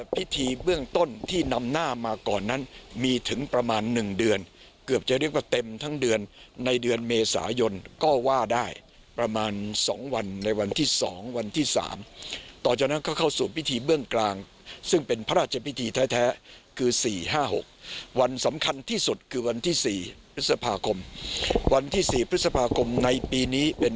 พิธีเบื้องต้นที่นำหน้ามาก่อนนั้นมีถึงประมาณ๑เดือนเกือบจะเรียกว่าเต็มทั้งเดือนในเดือนเมษายนก็ว่าได้ประมาณ๒วันในวันที่๒วันที่๓ต่อจากนั้นก็เข้าสู่พิธีเบื้องกลางซึ่งเป็นพระราชพิธีแท้คือ๔๕๖วันสำคัญที่สุดคือวันที่๔พฤษภาคมวันที่๔พฤษภาคมในปีนี้เป็น